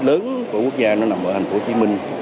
lớn của quốc gia nó nằm ở thành phố hồ chí minh